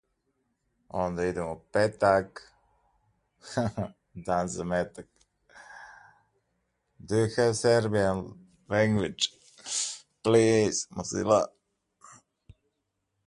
Those are what we call theists.